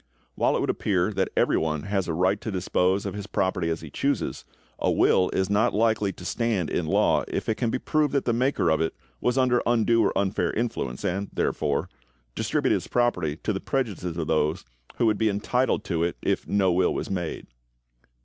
While it would appear that every one has a right to dispose of his property as he chooses, a will is not likely to stand in law if it can be proved that the maker of it was under undue or unfair influence, and, therefore, distributed his property to the prejudice of those who would be entitled to it if no will was made.